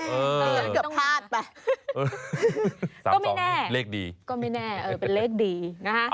เกือบพลาดไป๓๒นี่เลขดีก็ไม่แน่เป็นเลขดีนะฮะ